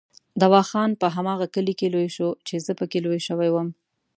دوا خان په هماغه کلي کې لوی شو چې زه پکې لوی شوی وم.